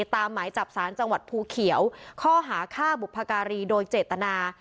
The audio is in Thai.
หมายจับสารจังหวัดภูเขียวข้อหาฆ่าบุพการีโดยเจตนา